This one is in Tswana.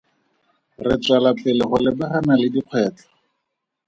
Re tswelapele go lebagana le dikgwetlho.